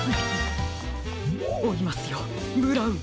おいますよブラウン！